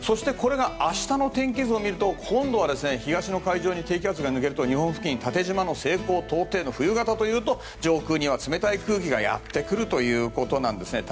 これが明日の天気図を見ると今度は東の海上に低気圧を抜けると日本付近縦じまの西高東低の冬型というと上空には冷たい空気がやってくるということです。